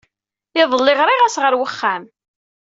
Iḍelli, ɣriɣ-as ɣer wexxam.